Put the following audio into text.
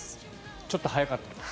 ちょっと早かったんです。